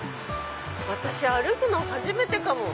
私歩くの初めてかも。